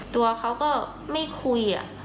ตัวเขาก็ไม่คุย